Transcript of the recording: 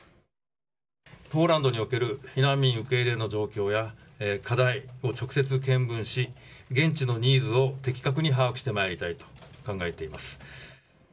ポーランドにおける避難民受け入れの状況や課題を直接見聞し、現地のニーズを的確に把握してまいりたいと考えています。